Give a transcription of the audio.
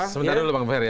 sebentar dulu bang ferry